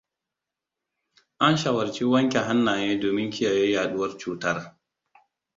An shawarci wanke hannaye domin kiyaye yaduwar cutar.